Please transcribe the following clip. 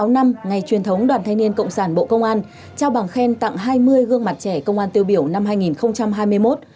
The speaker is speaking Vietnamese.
một mươi năm năm ngày truyền thống đoàn thanh niên cộng sản bộ công an trao bằng khen tặng hai mươi gương mặt trẻ công an tiêu biểu năm hai nghìn hai mươi một